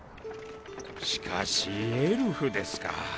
しかしエルフですか。